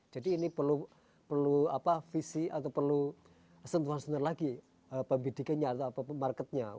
jadi ini perlu visi atau perlu sentuhan sentuhan lagi pembidikannya atau marketnya